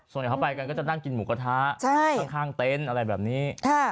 ส่วนเขาไปกันก็จะนั่งกินหมูกระทะข้างเต็นต์อะไรแบบนี้